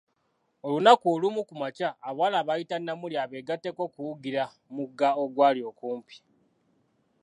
Olunaku olumu ku makya, abawala bayita Namuli abegatteko okuwugira mugga ogwali okumpi.